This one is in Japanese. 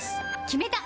決めた！